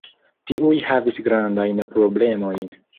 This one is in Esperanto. Tiuj havis grandajn problemojn.